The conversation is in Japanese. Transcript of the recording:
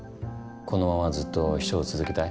このままずっと秘書を続けたい？